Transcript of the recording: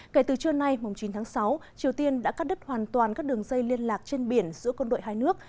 kể từ trưa nay chín tháng sáu triều tiên đã cắt đứt hoàn toàn các đường dây liên lạc trên biển giữa quân đội hai nước